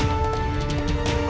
aku harus menyelamat